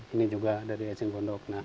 ini juga dari eceng pondok